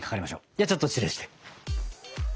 ではちょっと失礼して。